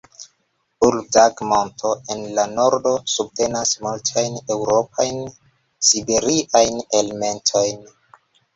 Uludag-Monto, en la nordo, subtenas multajn eŭropajn-siberiajn elementojn.